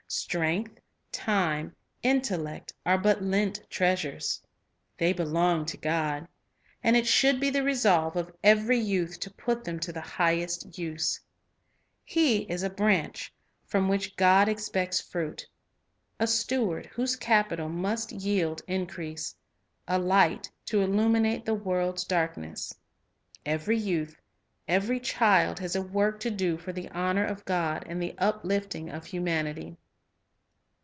Strength, time, intellect, are but lent treasures. They belong to God, and it should be the resolve of every youth to put them to the highest use. He is a branch, from which God A Noble Life Work The World's (irentest Need Self Discipline 58 Illustrations expects fruit ; a steward, whose capital must yield in crease; a light, to illuminate the world's darkness. Every youth, every child, has a work to do for the honor of God and the uplifting of humanity.